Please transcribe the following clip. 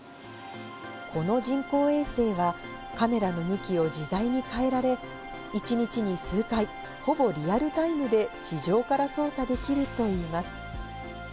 この人工衛星は、カメラの向きを自在に変えられ、１日に数回、ほぼリアルタイムで地上から操作できるといいます。